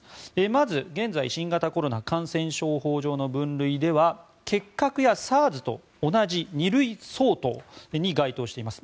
まず、現在、新型コロナ感染症法上の分類では結核やＳＡＲＳと同じ２類相当に該当しています。